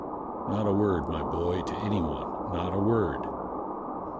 Not a word, my boy, to any one; not a word.